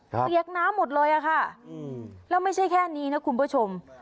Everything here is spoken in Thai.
เปียกน้ำหมดเลยอะค่ะแล้วไม่ใช่แค่นี้นะคุณผู้ชม